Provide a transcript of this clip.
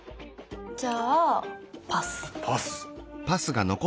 じゃあパス